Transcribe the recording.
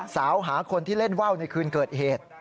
สาวหาคนที่เล่นว่าวในคืนเกิดเหตุ